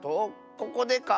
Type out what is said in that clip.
ここでか？